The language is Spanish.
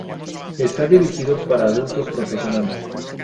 Está dirigido para adultos profesionales.